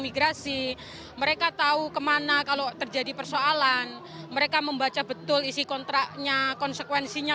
migrasi mereka tahu kemana kalau terjadi persoalan mereka membaca betul isi kontraknya konsekuensinya